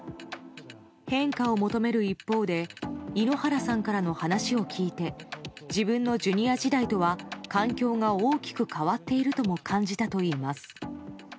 変化を求める一方で、井ノ原さんからの話を聞いて、自分のジュニア時代とは環境が大きく変わっているとも感じたといいます。